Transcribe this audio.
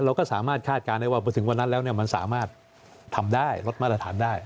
เราก็สามารถคาดการณ์ได้ว่าพอถึงวันนั้นแล้วมันสามารถทำได้ลดมาตรฐานได้